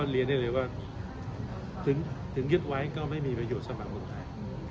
เรียนได้เลยว่าถึงยึดไว้ก็ไม่มีประโยชน์สำหรับคนไทย